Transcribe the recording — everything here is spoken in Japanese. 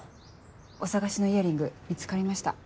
お捜しのイヤリング見つかりました。